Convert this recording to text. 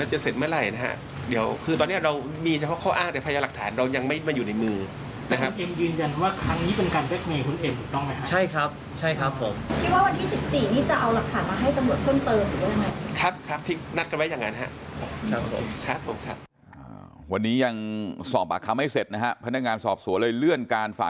คิดว่าวันที่๑๔นี้จะเอาหลักฐานมาให้กระบวนเพิ่มเติมหรือไม่